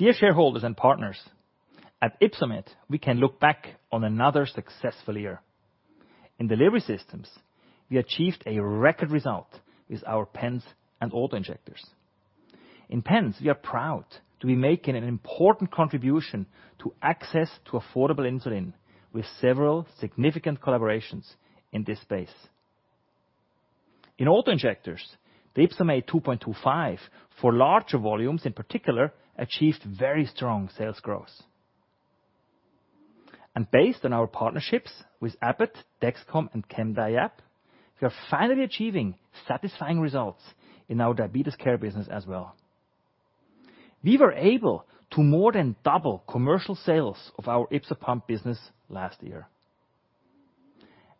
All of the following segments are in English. Dear shareholders and partners, at Ypsomed, we can look back on another successful year. In delivery systems, we achieved a record result with our pens and autoinjectors. In pens, we are proud to be making an important contribution to access to affordable insulin with several significant collaborations in this space. In autoinjectors, the YpsoMate 2.25 for larger volumes in particular achieved very strong sales growth. Based on our partnerships with Abbott, Dexcom, and CamDiab, we are finally achieving satisfying results in our diabetes care business as well. We're able to more than double commercial sales of our YpsoPump business last year.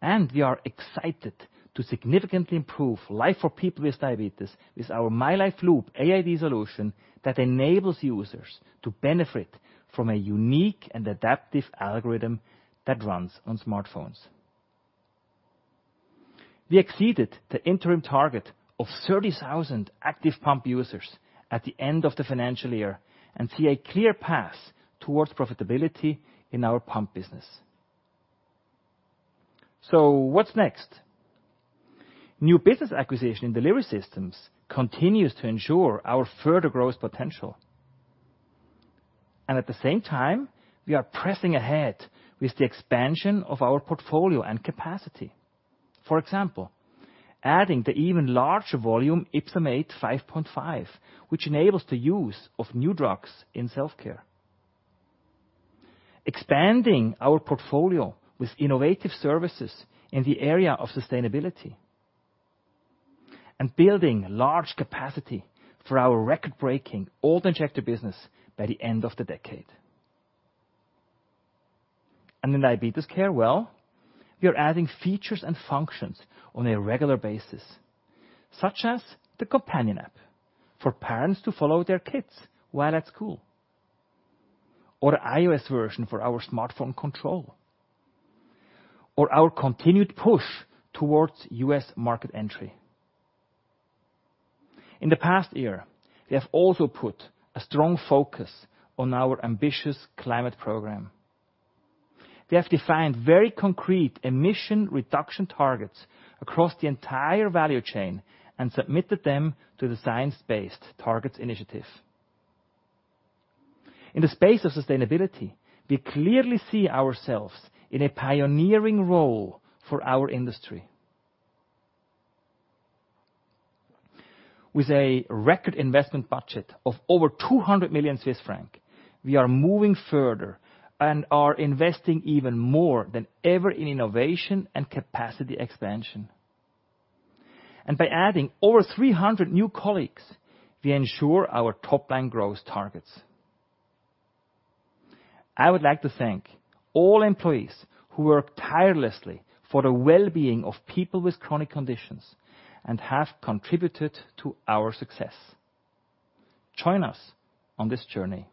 We are excited to significantly improve life for people with diabetes with our mylife Loop AID solution that enables users to benefit from a unique and adaptive algorithm that runs on smartphones. We exceeded the interim target of 30,000 active pump users at the end of the financial year and see a clear path towards profitability in our pump business. What's next? New business acquisition in delivery systems continues to ensure our further growth potential. We are pressing ahead with the expansion of our portfolio and capacity. For example, adding the even larger volume YpsoMate 5.5, which enables the use of new drugs in self-care. Expanding our portfolio with innovative services in the area of sustainability. Building large capacity for our record-breaking autoinjector business by the end of the decade. In diabetes care, well, we are adding features and functions on a regular basis, such as the companion app for parents to follow their kids while at school, or iOS version for our smartphone control, or our continued push towards US market entry. In the past year, we have also put a strong focus on our ambitious climate program. We have defined very concrete emission reduction targets across the entire value chain and submitted them to the Science Based Targets initiative. In the space of sustainability, we clearly see ourselves in a pioneering role for our industry. With a record investment budget of over 200 million Swiss francs, we are moving further and are investing even more than ever in innovation and capacity expansion. By adding over 300 new colleagues, we ensure our top line growth targets. I would like to thank all employees who work tirelessly for the well-being of people with chronic conditions and have contributed to our success. Join us on this journey.